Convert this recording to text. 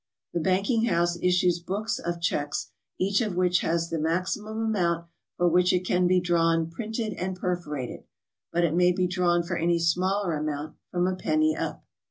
The bank ing house issues books of ''cheques," each of which has the maximum amount for which it can be drawn printed and perforated, but it may be drawn for any smaller amount, from a penny up.